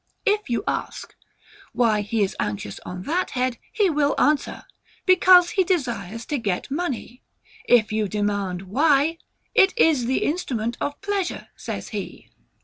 If you ask, WHY HE IS ANXIOUS ON THAT HEAD, he will answer, BECAUSE HE DESIRES TO GET MONEY. If you demand WHY? IT IS THE INSTRUMENT OF PLEASURE, says he.